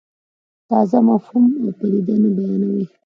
تازه مفهوم او پدیده نه بیانوي.